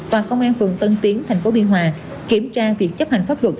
và công an phường tân tiến thành phố biên hòa kiểm tra việc chấp hành pháp luật